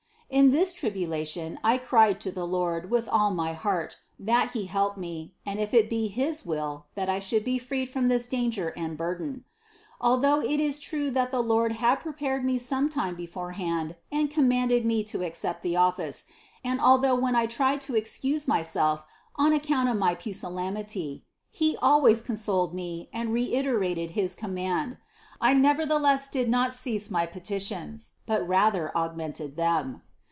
6. In this tribulation I cried to the Lord with all my heart that He help me and if it be his will that I should be freed from this danger and burden. Although it is true that the Lord had prepared me sometime before hand and commanded me to accept the office, and al though when I tried to excuse myself on account of my pusillanimity. He always consoled me and reiterated his command, I nevertheless did not cease my petitions, but rather augmented them.